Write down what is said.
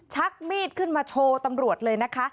ชักมีดขึ้นมาโชว์ตำรวจเลยนะคะ